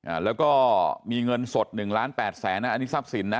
อ่าแล้วก็มีเงินสดหนึ่งล้านแปดแสนนะอันนี้ทรัพย์สินนะ